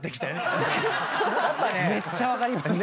めっちゃ分かります。